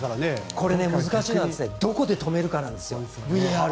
これ、難しいのはどこでＶＡＲを止めるかなんですよ。